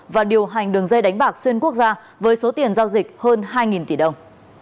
và điều hành đường dây đánh bạc xuyên quốc gia với số tiền giao dịch hơn hai tỷ đồng